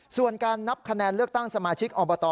ส่วนการนับคะแนนเลือกตั้งสมาชิกอบต